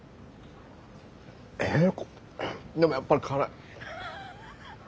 えでもやっぱり辛い。